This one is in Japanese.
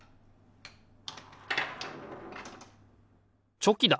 チョキだ！